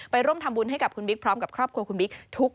ร่วมทำบุญให้กับคุณบิ๊กพร้อมกับครอบครัวคุณบิ๊ก